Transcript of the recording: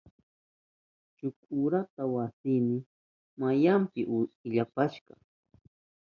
Shuk urata wasiyni mayanpi ilampashka.